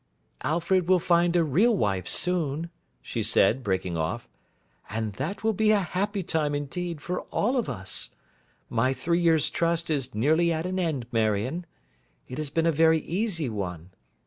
'Alfred will find a real wife soon,' she said, breaking off; 'and that will be a happy time indeed for all of us. My three years' trust is nearly at an end, Marion. It has been a very easy one.